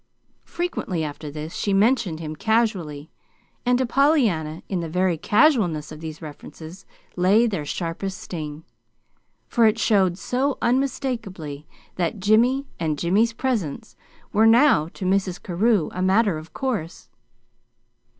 Frequently, after this, she mentioned him casually; and, to Pollyanna, in the very casualness of these references lay their sharpest sting; for it showed so unmistakably that Jimmy and Jimmy's presence were now to Mrs. Carew a matter of course.